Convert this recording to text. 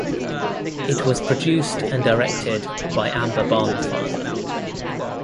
It was produced and directed by Amber Barnfather.